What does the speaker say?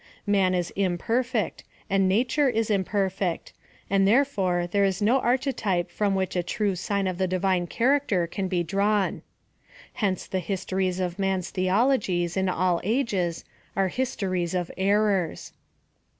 Man is imperfect, and nature is imperfect, and therefore there is no archetype from which a true sign of the Divine character can be drawn. Hence the his tories of man's theologies, in all ages, are histories of errors.